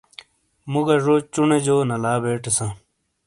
مُو گا ژو چُونے جو نالا بیٹے ساں۔